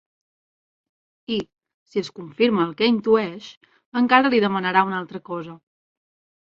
I, si es confirma el que intueix, encara li demanarà una altra cosa.